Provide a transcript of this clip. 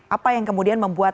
apa yang kemudian membuat